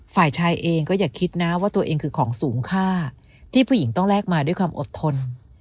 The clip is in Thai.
ฝ่ายชายเองก็อย่าคิดนะว่าตัวเองคือของสูงค่าที่ผู้หญิงต้องแลกมาด้วยความอดทน